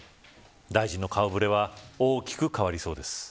大臣の顔ぶれは大きく変わりそうです。